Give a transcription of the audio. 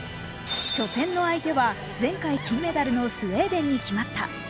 初戦の相手は前回金メダルのスウェーデンに決まった。